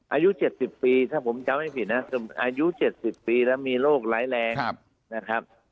อายุ๗๐ปีถ้าผมจำไม่ผิดนะอายุ๗๐ปีแล้วมีโรคร้ายแรงนะครับ